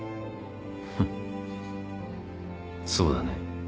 フッそうだね